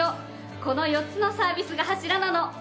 この４つのサービスが柱なの。